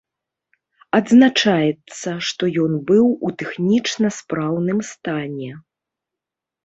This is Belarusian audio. Адзначаецца, што ён быў у тэхнічна спраўным стане.